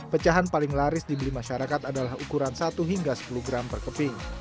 pecahan paling laris dibeli masyarakat adalah ukuran satu hingga sepuluh gram per keping